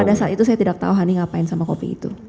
pada saat itu saya tidak tahu hani ngapain sama kopi itu